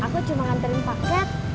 aku cuma nganterin paket